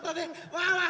ワンワン